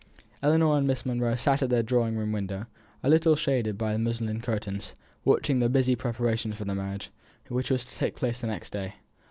Ellinor and Miss Monro sat at their drawing room window, a little shaded by the muslin curtains, watching the busy preparations for the marriage, which was to take place the next day.